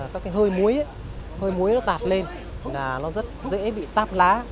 các cái hơi muối hơi muối muối nó tạt lên là nó rất dễ bị táp lá